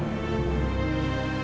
jadi ma speja